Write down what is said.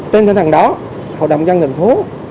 trên tỉnh thành đó hội đồng nhân dân tp đà nẵng